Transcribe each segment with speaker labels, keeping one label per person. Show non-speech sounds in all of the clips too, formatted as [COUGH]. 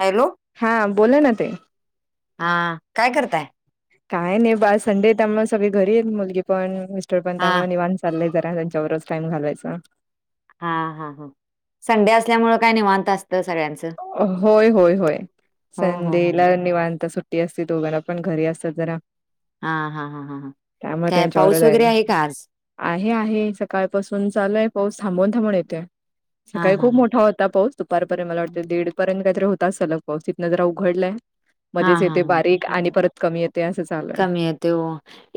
Speaker 1: Hello!
Speaker 2: हा बोले ना ते
Speaker 1: हा काय करताय
Speaker 2: काय नाही बास संडे त्यामुळे सगळे घरी मुलगी पण मिस्टर पण
Speaker 1: हा
Speaker 2: त्यामु निण ' चाललाय जरा त्यांच्यावरज टाम घालायच.
Speaker 1: हा हा हा संडे असल्यामुळें काय निवांत असतं सगळ्यांचं.
Speaker 2: होय होय होय
Speaker 1: हो हो हो हो
Speaker 2: संडेला निवांता सुट. असते दोघांना पण घरी असतात जरा.
Speaker 1: हा हा हां ह ह
Speaker 2: त्यामुळे
Speaker 1: काय
Speaker 2: त्यांच्यावर
Speaker 1: पाऊस वगैरे
Speaker 2: जायला
Speaker 1: आहे का आज.
Speaker 2: आहे आहे सकाळपसून चालूय पाऊस थांबून थांबून येतोय.
Speaker 1: हा
Speaker 2: सकाळी
Speaker 1: हा
Speaker 2: खूप
Speaker 1: हा
Speaker 2: मोठा होता पाऊस दुपारपर्यंत मला वाटते दीड. र्यंत काहीतरी होताच सलग पावसतं जरा उघडलंय.
Speaker 1: हा हा हा.
Speaker 2: कमी येते असं चाल.
Speaker 1: कमी येत हो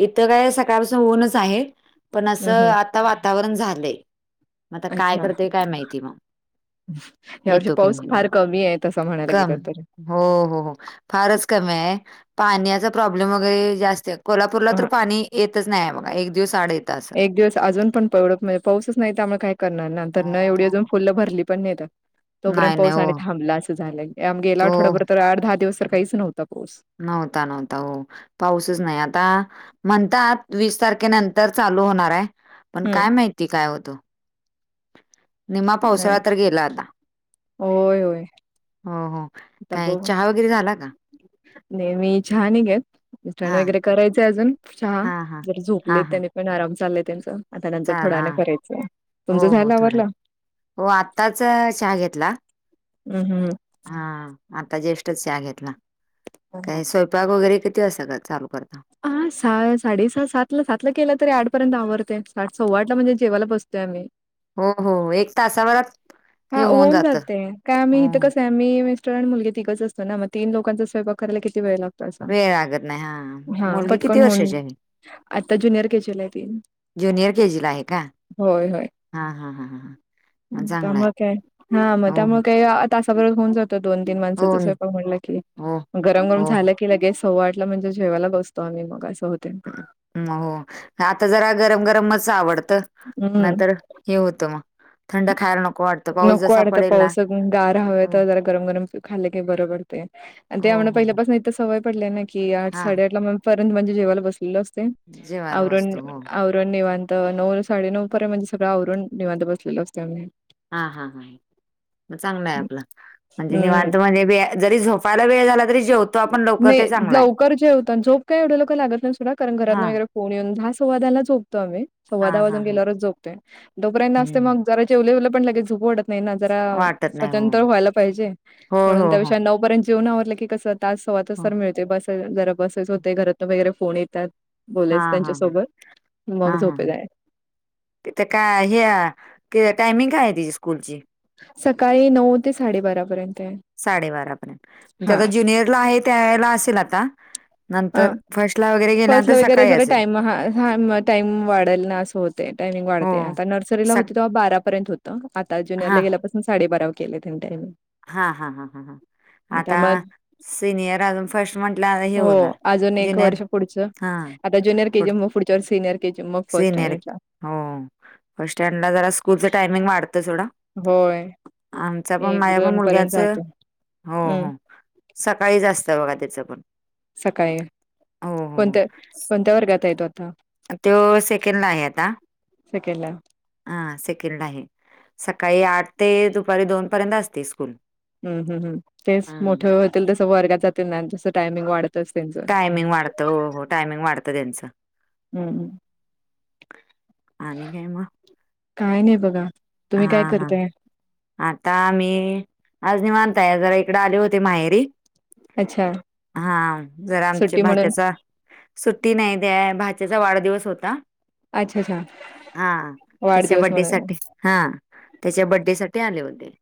Speaker 1: इथं काय सकाळपासून ऊनच आहे. पण
Speaker 2: हम्म
Speaker 1: असं
Speaker 2: हम्म
Speaker 1: आता वातावरण झालंय मता काय करतेय काय माहिती मग.
Speaker 2: यावरची
Speaker 1: येतो की
Speaker 2: पाऊस
Speaker 1: नाही ते
Speaker 2: फार कमी आहे असं म्हणायला
Speaker 1: कम
Speaker 2: गेलं तर.
Speaker 1: हो हो हो फारच कमी आहे पाण्याचा प्रॉब्लेम वगैरे जास्त. कोल्हापूरला तर पाणी येतच नाही बघा एक दिवस साड येत.
Speaker 2: एक दिवस अजून पण पवळत म्हणजे पाऊसच नाही त्यामुळे काय करणार.
Speaker 1: हा
Speaker 2: तर ना
Speaker 1: हा.
Speaker 2: एवढी अजून
Speaker 1: हा.
Speaker 2: फुल भरली पण नाहीेत. तोपर्यंत
Speaker 1: नाही नाही
Speaker 2: पाऊस
Speaker 1: हो
Speaker 2: आणि थांबला असं झालंय आ गेला
Speaker 1: तो
Speaker 2: आठवड्याभर तर आठ दहा दिवस तर काहीच नव्हता पाऊस.
Speaker 1: नव्हता नव्हता हो पाऊसच नाही आता. म्हणतात वीस तारखेनंतर चालू होणार आहे पण
Speaker 2: हम्म.
Speaker 1: काय माहिती काय होतो. निमा पावसाळा तर गेला आता
Speaker 2: होय होय
Speaker 1: हो हो.
Speaker 2: आता
Speaker 1: काय
Speaker 2: बघू
Speaker 1: चहा वगैरे झाला का.
Speaker 2: नेहमी चहा निघेतण
Speaker 1: हा
Speaker 2: वगैरे करायचेंय अजून चहा.
Speaker 1: हा हा.
Speaker 2: जर
Speaker 1: हा
Speaker 2: झोपले
Speaker 1: हा
Speaker 2: त्यानी पण आराम झालाय त्यांच. आता नंतर
Speaker 1: चाल
Speaker 2: थोड्या
Speaker 1: हा
Speaker 2: न करायचंय तुमचं
Speaker 1: हो हो
Speaker 2: झालं
Speaker 1: थोडा
Speaker 2: आवरलं.
Speaker 1: हो आत्ताच चहा घेतला.
Speaker 2: हम् हम्!
Speaker 1: हा आता ज्येष्ठच च घेतला काही सोप. ग वगैरे किती असा का लू करत.
Speaker 2: हा सा साडे स सात ला सातला केलं तरी आठपर्यंत आवडते सव्वाठ ला म्हणजे जेवायला बसतोय आम्ही.
Speaker 1: हो हो एक तासाभरात हे
Speaker 2: हा होऊन
Speaker 1: जात
Speaker 2: जाते काय आम्ही इथं
Speaker 1: हो.
Speaker 2: कस. मीेस्टॉरं मुलग तगिकच असतो ना मग तन लोकांचा स्यंपा करायला कि वेळ लागतो.
Speaker 1: वेळगत नाही हा.
Speaker 2: हा
Speaker 1: मुलगी किती
Speaker 2: पटकन होऊन
Speaker 1: वर्षाची आहे.
Speaker 2: आता ज्युनियर केचेल त
Speaker 1: ज्युनियर के जीला आहे का हा हा ह
Speaker 2: तमुळे काय हा मग
Speaker 1: हो,
Speaker 2: तमुळे काय तासाबरो होऊन जात दोन तीन
Speaker 1: हो,
Speaker 2: माणसं स्वय म्हटलं की
Speaker 1: हो,
Speaker 2: गरम गरम
Speaker 1: हो,
Speaker 2: झालं क लगे सव् आठला म्हणजे जेवायला बसतो आम्ही मगा सहते
Speaker 1: हो आता जरा गरम गरम म आवडतं नाही
Speaker 2: हम्म
Speaker 1: तर हे होतं मग थंड खायला नको वाटतं. पाऊस
Speaker 2: नको
Speaker 1: जसा
Speaker 2: वाढता
Speaker 1: पडेल
Speaker 2: पाऊस
Speaker 1: ना
Speaker 2: गार हव
Speaker 1: हो,
Speaker 2: तर जरा गरम गरम खाल्लं कि बरं पडते आणि
Speaker 1: हो,
Speaker 2: त्यामुळे
Speaker 1: हो.
Speaker 2: पहिल्यापासून इथ सवय पडलाय ना की आठ
Speaker 1: हां,
Speaker 2: साडेआठ लार्ंत म्हणजे जेवाला बसलेलो असतो [INAUDIBLE]
Speaker 1: जेवायला
Speaker 2: अण
Speaker 1: बसतो. हो.
Speaker 2: निवांत नऊ साडे नऊ पर्यंत म्हणजे सगळं वरुण निवांत बसलेलं असत
Speaker 1: हा हा हा चांगलं आहे आपलं म्हणजे निवांत
Speaker 2: हम्म
Speaker 1: म्हणे बी जरी झोपायला वेळ झाला तरी जेवतो आपण लवकर
Speaker 2: नाही
Speaker 1: ते चांगलं आहे.
Speaker 2: लवकर जे होत झोप काय एवढं लोक लागत नाही सुद्धा कारण घरात
Speaker 1: हां,
Speaker 2: वगैरे कोण येऊन दहा सव्वादाला झोपतो आम्ही सव्वादा
Speaker 1: हां, हां,
Speaker 2: वाजून
Speaker 1: हां.
Speaker 2: गल्यावरच झोपतेो तोपर्यंत असते
Speaker 1: हं.
Speaker 2: मग. वले पणगे झपड. नाही ना जरा
Speaker 1: वाटत नाही. हो.
Speaker 2: स्वतंत व्हायला पाहिजे
Speaker 1: हो,
Speaker 2: म्हणून
Speaker 1: हो, हो.
Speaker 2: त्याविषयी नऊ पर्यंत जेवन आवरलं की कसं. तास स्वातच
Speaker 1: हो.
Speaker 2: तर मिळते बसे जरा बसेच होते घरातन वगैरे फोन येतात बोलेयच
Speaker 1: हां, हां,
Speaker 2: त्यांच्यासोबत. मग झोपेलाय.
Speaker 1: ि ते काय हे टायमिंग काय आहे तिची स्कूलची,
Speaker 2: सकाळी नऊ ते साडेबारापर्यंत आहे
Speaker 1: साडेबारा पर्यंत
Speaker 2: हा.
Speaker 1: आता जुनियरला आहे त्याला असेल आता
Speaker 2: हा.
Speaker 1: नंतर फर्स्टला वगैरे गेल्यानंतर
Speaker 2: फर्स्टला वगैरे
Speaker 1: सकाळी
Speaker 2: जरा
Speaker 1: असेल.
Speaker 2: टाइम हा हा टाइम वाढेल ना असं होते टाइमिंग
Speaker 1: हो
Speaker 2: वाढते आता नर्सरीला
Speaker 1: स
Speaker 2: होती तेव्हा बारापर्यंत होते. आता ज्युनियर
Speaker 1: हा
Speaker 2: ला गेल्यापासून साडे बारा केलं त्यां टामिंग,
Speaker 1: हा हा हा ह ह आता सिनियर अजून फर्स्ट म्हटल्या हे
Speaker 2: हो
Speaker 1: होणार,
Speaker 2: अजून एक
Speaker 1: ज्युनियर
Speaker 2: वर्ष पुढचं
Speaker 1: हां
Speaker 2: आता ज्यनियर केजीम मग पुढच्या व सिनियर केजी मग फर्ट स,
Speaker 1: सिनियर हो फट स्टँडला जरा स्कूलचं टायमिंग वाढतं थोडा
Speaker 2: होय
Speaker 1: आमचा पण
Speaker 2: एक
Speaker 1: माझ्या पण
Speaker 2: दोन पर्यंत
Speaker 1: मुलग्याच
Speaker 2: जाते
Speaker 1: हो
Speaker 2: हम्म
Speaker 1: हो, सकाळी जास्त बघा त्याचं पण,
Speaker 2: सकाळी
Speaker 1: हो हो हो
Speaker 2: कोणत्या कोणत्या वर्गात येतो आता,
Speaker 1: तो सेकंडला आहे आता
Speaker 2: सेकंडला
Speaker 1: हा सेकंड आहे सकाळी आठ ते दुपारी दोन पर्यंत असते स्कूल,
Speaker 2: ह् ह तेच
Speaker 1: हं.
Speaker 2: मोठे होतील तस वर्गात जातील ना जसं टायमिंग वाढतच त्यांच,
Speaker 1: टायमिंग वाढतं हो हो टायमिंग वातं त्यांच,
Speaker 2: हम्
Speaker 1: आणि काय
Speaker 2: काय नाही बघा, तुम्ही
Speaker 1: हा
Speaker 2: काय
Speaker 1: हा
Speaker 2: करताय
Speaker 1: आता मी आज नि म्हनताय जरा इकडे आले होते माहेर,
Speaker 2: अच्छा
Speaker 1: हा जरा आमच्या
Speaker 2: सुट्टी म्हणून
Speaker 1: भाच्याचा, सुट्टी नाही द्या भाजचा वाढदिवस होता
Speaker 2: अच्छा अच्छा
Speaker 1: हा त्याच्या
Speaker 2: वाढदिवस म्हणून
Speaker 1: ब्डेसाठी हा त्याच्या बड्डे साठी आले होते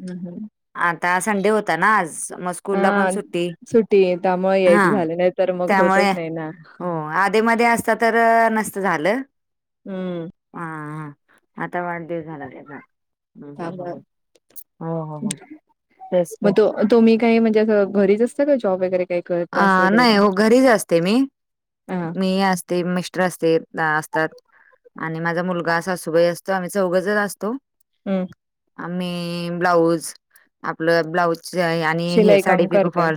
Speaker 2: हम् हम्
Speaker 1: आता संडे होता ना आज मस् ूल पण
Speaker 2: हा
Speaker 1: सुट्टी
Speaker 2: सुट्टी त्यामुळे
Speaker 1: हा
Speaker 2: यायचं झालं नाही तर मग होतच
Speaker 1: त्यामुळे
Speaker 2: नाही ना
Speaker 1: हो आ ध्ये मध्ये असत तर नसत झालं
Speaker 2: हम्म
Speaker 1: हा हा आता वाढदिव झाला त्याचा
Speaker 2: त्यामुळे
Speaker 1: हो हो हो तेच
Speaker 2: मग तो तुम्ही काही म्हणजे असं घरीच असतं का जॉब वगैरे काही करत
Speaker 1: अ नाही हो घरीच असते मी
Speaker 2: हा
Speaker 1: मी असते मिस्टर असते असतात आणि माझा मुलगा सासूबाई असतो आम्ही चौघ जर असतो
Speaker 2: हम्म
Speaker 1: आमही ब्लाऊज आपलं ब्लाऊज आणि हे
Speaker 2: शिलाई
Speaker 1: साडी
Speaker 2: काम
Speaker 1: पिको
Speaker 2: करताय
Speaker 1: फॉल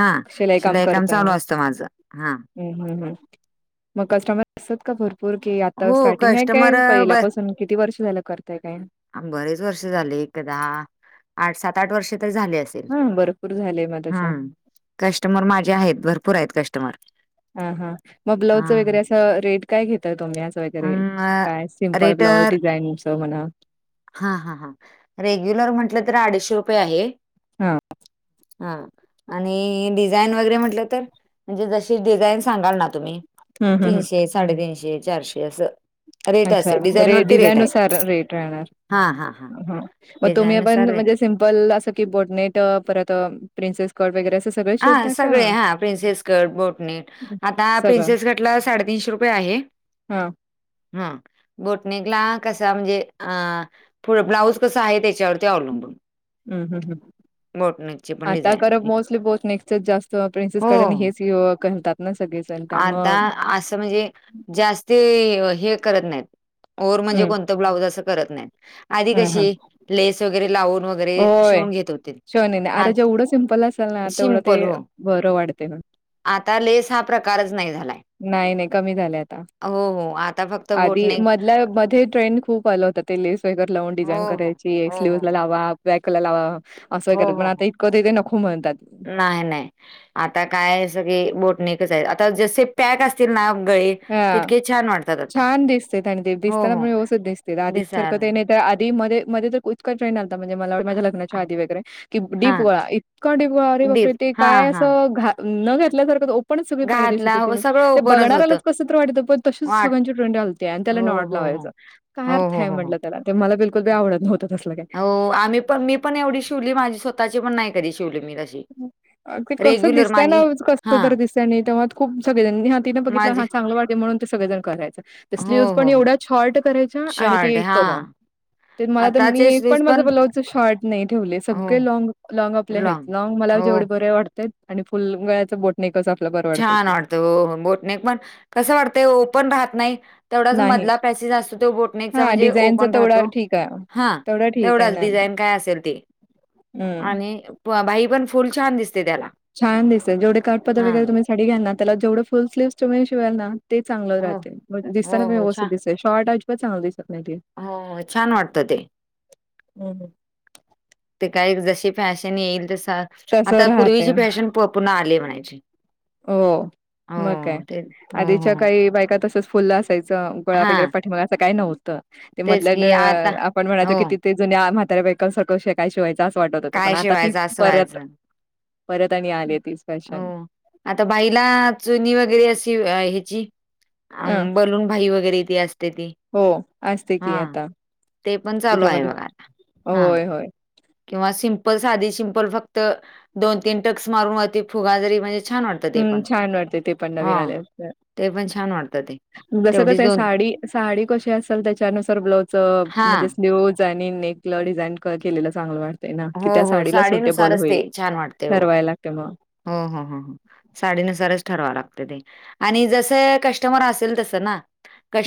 Speaker 1: हा
Speaker 2: शिलाई
Speaker 1: शिलाईकाम चालू असतं माझं. हा
Speaker 2: ह् हम ह मग कस्टमर असतात का भर पूर की आता
Speaker 1: हो
Speaker 2: स्टार्टिंग आहे
Speaker 1: कस्टमर
Speaker 2: काय पहिल्यापासून किती वर्ष झालं करताय काय
Speaker 1: आ बरेच वर्ष झाले एकदा आठ सात आठ वर्ष तर झाले.
Speaker 2: हा भरपूर झालंय मग तसं
Speaker 1: हम्म कस्टमर माझे आहेत. भरपूर आहेत कस्टमर.
Speaker 2: हा हा मग ब्लाउज वगैरे
Speaker 1: हा
Speaker 2: अस रेट काय घेत तुम्हीं आस वगैरे. काय
Speaker 1: अ
Speaker 2: सिम्पल ब्लाऊज,
Speaker 1: रेटर
Speaker 2: डिझाईनचं म्हणा.
Speaker 1: हा हा हां रेग्युलर म्हटलं तर आडीशे रुपये आहे.
Speaker 2: हा
Speaker 1: हा आणि डिझाईन वगैरे म्हटलं तर म्हणजे जशी डिझाईन सांगाल ना तुम्ही.
Speaker 2: हम्म हम्म हम्म
Speaker 1: तीनशे साडेतीनशे चारशे असं. रेट
Speaker 2: अच्छा
Speaker 1: असेल
Speaker 2: रे
Speaker 1: वरती रेट
Speaker 2: डिझाईन
Speaker 1: आहे
Speaker 2: नुसार रेट राहणार.
Speaker 1: हा हा हा
Speaker 2: मग तुम्ही पण
Speaker 1: डिझाईननुसार रेट
Speaker 2: म्हणजे सिमपल असं की बोडनेट परत प्रि्सॉडगैरे सग
Speaker 1: हा सगळे हा प्रिन्सेस गड बोटनेट
Speaker 2: हं.
Speaker 1: आता
Speaker 2: सगळं
Speaker 1: प्रिन्सेस घाटला, साडेतीनशे रुपये आहे.
Speaker 2: हां.
Speaker 1: ह बोटणी गला कसा म्हणजे अ पुढं ब्लाउज कसा आहे, त्याच्यावरती अवलंबून.
Speaker 2: हम् हम् ह्
Speaker 1: बोटनेकची पण
Speaker 2: आता कर
Speaker 1: डिझाईन
Speaker 2: मोस्टली बोट नेकच जास्त.
Speaker 1: हो
Speaker 2: प्रिन्सेसकडन हेच करतात ना सगळेच
Speaker 1: आता
Speaker 2: त्यामुळं
Speaker 1: असं म्हणजे जास्त हे करत नाही. ओर म्हणजे
Speaker 2: हं.
Speaker 1: कोणतं ब्लाउज अस करत नाही. आधी
Speaker 2: हां, हां.
Speaker 1: कशी लेस वगैरे लावून वगैरे
Speaker 2: होय.
Speaker 1: शोवून घेत होतीत आज.
Speaker 2: ल ना तेवढं ते बरं वाढतेय मग.
Speaker 1: आता लेस हा प्रकारच नाही झालाय.
Speaker 2: नाही नाही कमी झाले आता.
Speaker 1: हो आता फक्त
Speaker 2: आधी
Speaker 1: बोटनेक
Speaker 2: मधल्या मध्ये ट्रेंड खूप आलं होतं ते लेस वगैरे लावून
Speaker 1: हो
Speaker 2: डिझाईन
Speaker 1: हो
Speaker 2: करायची
Speaker 1: हो हो
Speaker 2: स्लीवज
Speaker 1: हो
Speaker 2: लावा. बॅकला लावा असं
Speaker 1: हो
Speaker 2: करा पण
Speaker 1: हो
Speaker 2: आता
Speaker 1: हो.
Speaker 2: इतकं ते नको म्हणतात.
Speaker 1: नाही नाही आता काय सगळी बोटनेटच आहे. आता जसे पॅक असतील ना गळे.
Speaker 2: हा
Speaker 1: तितके छान वाटतात आता
Speaker 2: छान दिसतं आणि ते
Speaker 1: हो
Speaker 2: दिसताना पण
Speaker 1: हो
Speaker 2: व्यवस्थित दिसते आधी सारखं
Speaker 1: दिसायला.
Speaker 2: नाही ते. तर आधी मध्ये मध्ये तर इतका ट्रेड आलथा. म्हणजे मला माझ्या लग्नाच्या आधी वगैरे कि
Speaker 1: हा
Speaker 2: डीप गोळा इतका डीपगोळा रे बापरे
Speaker 1: डीप
Speaker 2: ते
Speaker 1: हा
Speaker 2: काय
Speaker 1: हा.
Speaker 2: असं घ न घातल्यासारखं. पण सगळी पाट दिसत
Speaker 1: घातला हो
Speaker 2: होती.
Speaker 1: सगळं
Speaker 2: ते
Speaker 1: ओपनच होतं
Speaker 2: बघणाऱ्यालाच. विचित्र वाटत होतं पण तच
Speaker 1: वाट
Speaker 2: सगळ्यांची ट्रेंड आलथीया. आणि त्याला
Speaker 1: हो
Speaker 2: नॉड
Speaker 1: हो
Speaker 2: लावायं
Speaker 1: हो
Speaker 2: काय
Speaker 1: हो
Speaker 2: अर्थ
Speaker 1: हो
Speaker 2: आहे
Speaker 1: हो हो.
Speaker 2: म्हटलं. ते मला बिकुल आवडत नव्हतं. तसलं काय.
Speaker 1: हो आम्ही पण मी पण एवढी शिवली. माझी स्वतःची पण नाही कधी, शिवली मी तशी.
Speaker 2: अ, ते कसं
Speaker 1: रेग्युलर
Speaker 2: दिसतय ना
Speaker 1: माझी हा
Speaker 2: कसं तर दिसतय आणि तेव्हा खूप सगळेनी हा तिनं बघितलं
Speaker 1: माझी
Speaker 2: हा चांगलं वाटेल म्हणून. सगळे जण करायच
Speaker 1: हो
Speaker 2: स्ल्यूज पण
Speaker 1: हो हो
Speaker 2: एवढा शॉर्ट करायचा आणि
Speaker 1: शॉर्ट
Speaker 2: ते
Speaker 1: हा
Speaker 2: कवा. ते मला तर मी
Speaker 1: आताचे
Speaker 2: एक
Speaker 1: शूज
Speaker 2: पण माझं ब्लाऊज शॉर्ट नाही ठेवले.
Speaker 1: हो
Speaker 2: सगळे लॉंग लॉंग आपले आहेत.
Speaker 1: लॉंग
Speaker 2: ना मग मला
Speaker 1: हो
Speaker 2: जेवढे बरे वाटतंय आणि फुल गळ्याचं बोट नेकच आपलं बरे वाटतंय
Speaker 1: छान
Speaker 2: ते.
Speaker 1: वाटतं हो बोटनेक पण कसं वाटतंय. पण राहत नाही. तेवढाच
Speaker 2: नाही
Speaker 1: मधला पॅसेस असतो तो बोटनेकचा
Speaker 2: हा
Speaker 1: म्हणजे
Speaker 2: डिझाईनचा
Speaker 1: ओपन
Speaker 2: तेवढा
Speaker 1: राहतो
Speaker 2: ठीक आहे
Speaker 1: हा.
Speaker 2: तेवढा ठीक आहे
Speaker 1: तेवढंच
Speaker 2: ना
Speaker 1: डिझाईन काय असेल ते
Speaker 2: हम्म
Speaker 1: आणि भाई पण फुल छान दिसते त्याला.
Speaker 2: छान दिसल. जवढे काटपदर
Speaker 1: हा
Speaker 2: वगैरे तुम्ही साडी घ्याल ना त्याला जेवढे फुल स्लीव्हस तु्ही शिवाय ना. ते चांगलं
Speaker 1: हो
Speaker 2: राहते दिसताना
Speaker 1: हो,
Speaker 2: पण
Speaker 1: हो.
Speaker 2: व्यवस्थित
Speaker 1: छा
Speaker 2: दिसतंय शॉर्ट अजिबात चांगलं दिसत नाही ते.
Speaker 1: हो, हो. छान वाटतं ते
Speaker 2: हम्
Speaker 1: ते काय जशी फॅशन येईल तस
Speaker 2: तसं
Speaker 1: आता
Speaker 2: राहते
Speaker 1: पूर्वीची फॅशन पुर्ण आले म्हणायची.
Speaker 2: हो. मग काय
Speaker 1: हो, ते हो, हो,
Speaker 2: आधीच्या
Speaker 1: हो.
Speaker 2: काही बायका, तसच फुलला गोळा वगैरे
Speaker 1: हां,
Speaker 2: पव असं काही नव्हतं ते मध
Speaker 1: तेच की आता
Speaker 2: आपण म्हणायचो
Speaker 1: हो,
Speaker 2: कि ते जुन्या म्हातार्या वहेकल सारख शेय शिवायं असं वाटत होतं पण
Speaker 1: काय
Speaker 2: आता ती
Speaker 1: शिवायचं असं
Speaker 2: परत
Speaker 1: व्हायचं.
Speaker 2: परत आणि आली ती स्पॅशन
Speaker 1: हो. आता भाईला चुनी वगैरे अशी ह्याची अ बलून भाई वगैरे ते असते ते ती
Speaker 2: हो असते
Speaker 1: हा
Speaker 2: की आता
Speaker 1: ते पण चालू आहे
Speaker 2: त्याच्यामध्ये
Speaker 1: बघा आता हा
Speaker 2: होय होय.
Speaker 1: किंवा सिंपल साधी सिंपल फक्त दोन तीन टक्स मारून वती फुगा जरी म्हणजे छान वाट
Speaker 2: हम् छान वाटते ते पण नवीन आले अस
Speaker 1: ते पण छान वाटतं ते
Speaker 2: जसं
Speaker 1: तेवढीच
Speaker 2: कसं आहे साडी साडी कशी असेल त्याच्यानुसार ब्लाऊज
Speaker 1: हां.
Speaker 2: म्हणजे स्लीवज नेकल डिझाईन क केलेलं चांगलं वाटतं ना कि
Speaker 1: हो,
Speaker 2: त्या
Speaker 1: हो.
Speaker 2: साडीला सुटेबल
Speaker 1: साडीनुसारच
Speaker 2: होईल ठरवाय लागते मग
Speaker 1: हा हा हा हा साडीनुसारच ठरवा लागत ते आणि जसं कस्टमर असेल तसं ना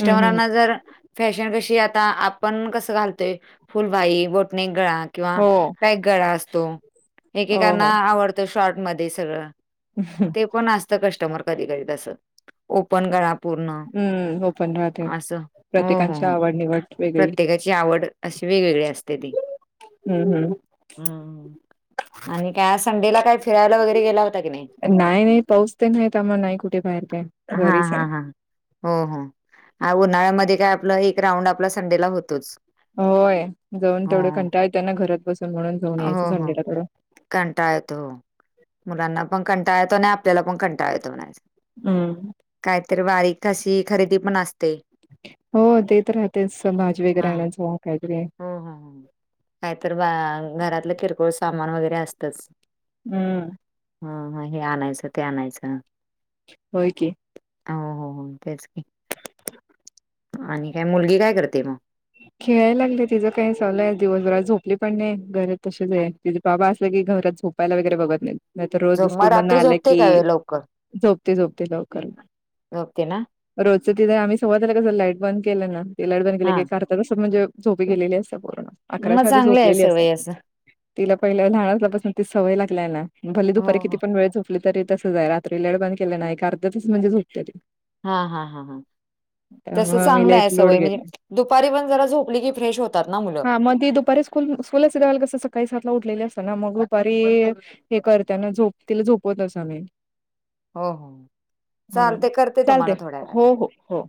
Speaker 2: हम्म हम्म
Speaker 1: जर फॅशन कशी आता आपण कसं घालतोय फुलबाई बोटणेक गळा किंवा
Speaker 2: हो
Speaker 1: पॅकगळा असतो
Speaker 2: हो
Speaker 1: एकेकांना
Speaker 2: हो
Speaker 1: आवडतो शॉर्टमध्येध्ये सगळं
Speaker 2: ह ह
Speaker 1: ते पण असस्त कस्टमर कधी कधी तसं ओपन कळा पूर्ण
Speaker 2: हम्म पण राहते
Speaker 1: असं. हो, हो,
Speaker 2: प्रत्येकांची
Speaker 1: हो.
Speaker 2: आवड निवड वेगळी
Speaker 1: प्रत्येकाची आवड अशी वेगवेगळी असते ती
Speaker 2: हम् हम्म
Speaker 1: हम्म आणि काय संडेला काय फिरायला वगैरे गेला होता की नाही
Speaker 2: नाही नाही पाोचते नाहीत आ मग नाही कुठे बाहेर काय
Speaker 1: हा
Speaker 2: घरीच
Speaker 1: हा हा. हो हो उन्हाळ्यामध्ये काय आपलं एक राऊंड आपला संडेला होतोच
Speaker 2: होय जाऊन
Speaker 1: हो.
Speaker 2: तेवढे कंटाळ त्यांना घरात बसून म्हणून जाऊन यायचं संडेला करडून
Speaker 1: घंटा येतो हो मुलांना पण कंटाळ येतो आणि आपल्याला पण कंटाळेतो म्हणायच
Speaker 2: हम्
Speaker 1: काहीतरी बारीक अशी खरेदी पण असते
Speaker 2: हो ते तर राहतेच भाजी वगैरे
Speaker 1: हां.
Speaker 2: आणण्याचं काहीतरीे
Speaker 1: हो हो हो काहीत बा घरातलं किरकोळ सामान वगैरे असतंच
Speaker 2: हम्म
Speaker 1: ह ह हे आणायचं ते आणायचं
Speaker 2: हो की
Speaker 1: हो हो हो तेच आणि काय मुलगी काय करते मग
Speaker 2: खेळाय लागले तिझं काही चगलंय दिवसभरात झोपली पण नाही घरेत तसेच
Speaker 1: अ
Speaker 2: आहे ति बाबा घरात झोपायला वगैरे बघत नाही नाही तर रोज
Speaker 1: झोप मग
Speaker 2: स्कूल मधून
Speaker 1: रात्री
Speaker 2: आलं
Speaker 1: झोपते का वे
Speaker 2: कि
Speaker 1: लवकर
Speaker 2: झोपते झोपते लवकर.
Speaker 1: झोपते ना
Speaker 2: रोजचं तिथे आम्ही सवत आला कस लाईट बंद केलं ना ते लाईट बंद केलं
Speaker 1: हा
Speaker 2: एक अर्धा. तसं म्हणजे झोपी गेलेली असे पूर्ण
Speaker 1: मग
Speaker 2: अकराच्या आधी
Speaker 1: चांगलं आहे
Speaker 2: झोपलेली असत्यात.
Speaker 1: सवय असं
Speaker 2: तिला पहिल्या लहान असल्या पासून ती सवय लागल्याना भले
Speaker 1: हो
Speaker 2: दुपारी किती
Speaker 1: हो.
Speaker 2: पण वेळ झोपली. तरी तसंच हाय रात्री लेईट बंद केलं नाही एक अर्ध्यातच म्हणजे झोपत्या ती.
Speaker 1: हा हा हा हा तस
Speaker 2: त्यामुळं मी
Speaker 1: चांगलं
Speaker 2: लई
Speaker 1: आहे
Speaker 2: लोड
Speaker 1: सवय
Speaker 2: घेते
Speaker 1: म्हणजे. दुपारी पण जरा झोपली की फ्रेश होतात ना मुलं.
Speaker 2: म ती दुपारी स्कूल स्कूलाचाला कसं सकाळी सात ला उठलेले असत ना मग दुपारी. हे करताना झोप तिला झोपवत असमी.
Speaker 1: हो हो
Speaker 2: हम्म
Speaker 1: चालते करते तुम्हाला
Speaker 2: चालते
Speaker 1: थोड्या वेळात
Speaker 2: हो हो हो.